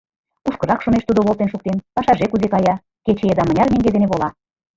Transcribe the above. Кушкырак шумеш тудо волтен шуктен, пашаже кузе кая, кече еда мыняр меҥге дене вола.